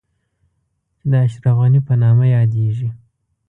چې د اشرف غني په نامه يادېږي.